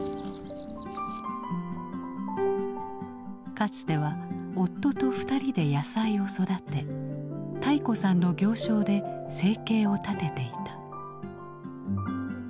かつては夫と２人で野菜を育て泰子さんの行商で生計を立てていた。